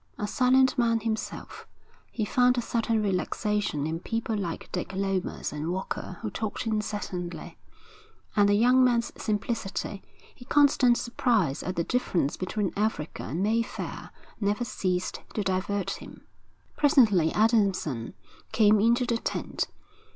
A silent man himself, he found a certain relaxation in people like Dick Lomas and Walker who talked incessantly; and the young man's simplicity, his constant surprise at the difference between Africa and Mayfair, never ceased to divert him. Presently Adamson came into the tent.